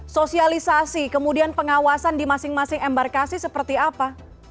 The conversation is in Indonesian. sosialisasi kemudian pengawasan di masing masing embarkasi seperti apa